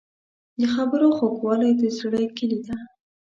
د خبرو خوږوالی د زړه کیلي ده.